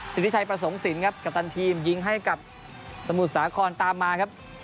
สิทธิชัยประสงค์สินครับกัปตันทีมยิงให้กับสมุทรสาครตามมาครับ